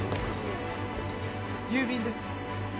郵便です。